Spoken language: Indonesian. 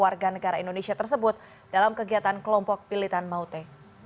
warga negara indonesia tersebut dalam kegiatan kelompok pilitan maute